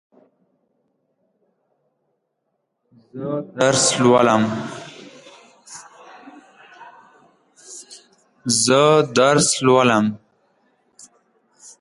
پۀ کال نولس سوه پينځه شپيتم کښې ئې